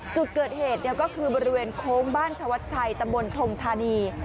จุดเกิดเหตุก็คือบริเวณโค้งบ้านธวัชชัยตำบลทงธานี